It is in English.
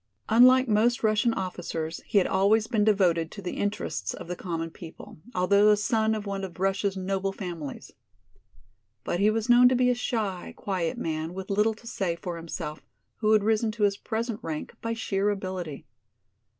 Unlike most Russian officers, he had always been devoted to the interests of the common people, although a son of one of Russia's noble families. But he was known to be a shy, quiet man with little to say for himself, who had risen to his present rank by sheer ability.